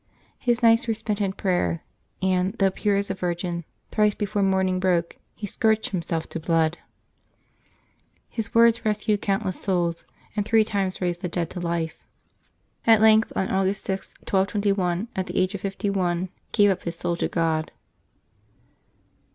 His nights were spent in prayer ; and, though pure as a virgin, thrice before morning broke he scourged himself to blood. His words rescued countless souls, and three times raised the dead to life. At length. 272 LIYB8 OF THE SAINTS [August 5 on August 6, 1221, at the age of fifty one, he gave up his soul to God.